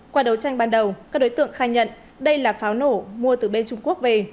qua đấu tranh ban đầu các đối tượng khai nhận đây là pháo nổ mua từ bên trung quốc về